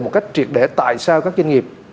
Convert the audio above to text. một cách triệt để tại sao các doanh nghiệp